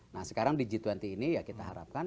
nah sekarang di g dua puluh ini ya kita harapkan